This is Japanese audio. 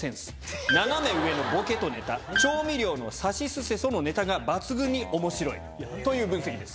「斜め上のボケとネタ」「調味料のさしすせそのネタが抜群に面白い」という分析です。